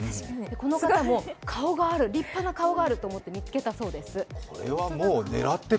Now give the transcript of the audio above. この方も、立派な顔があると思って写したそうです。